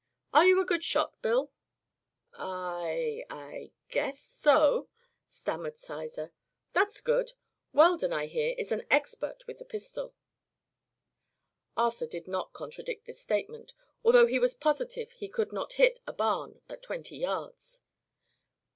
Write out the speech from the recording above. Are you a good shot, Bill?" "I I guess so," stammered Sizer. "That's good. Weldon, I hear, is an expert with the pistol." Arthur did not contradict this statement, although he was positive he could not hit a barn at twenty yards.